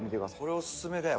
これオススメだよ